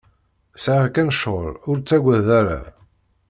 Sɛiɣ kan cɣel, ur taggad ara.